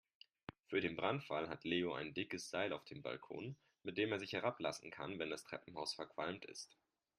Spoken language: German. Für den Brandfall hat Leo ein dickes Seil auf dem Balkon, mit dem er sich herablassen kann, wenn das Treppenhaus verqualmt ist.